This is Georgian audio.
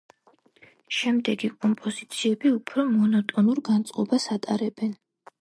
შემდეგი კომპოზიციები უფრო მონოტონურ განწყობას ატარებენ.